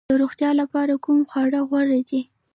د روغتیا لپاره کوم خواړه غوره دي؟